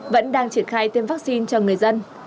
vẫn đang triển khai tiêm vaccine cho người dân